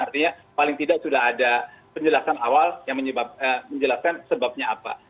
artinya paling tidak sudah ada penjelasan awal yang menjelaskan sebabnya apa